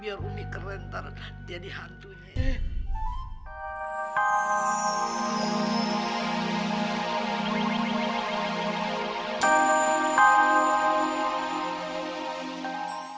biar umi keren ntar jadi hantunya